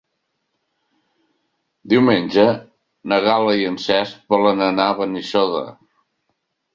Diumenge na Gal·la i en Cesc volen anar a Benissoda.